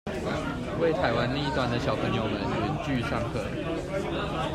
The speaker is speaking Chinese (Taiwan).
為臺灣另一端的小朋友們遠距上課